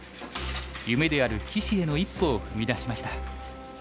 夢である棋士への一歩を踏み出しました。